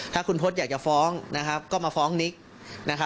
ถ้าคุณพลตอยากจะฟ้องนะครับก็มาฟ้องนิ๊กนะครับ